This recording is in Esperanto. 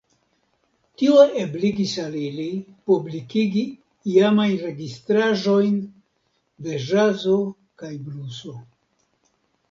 Tio ebligis al ili publikigi iamajn registraĵojn de ĵazo kaj bluso.